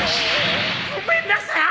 ごめんなさい！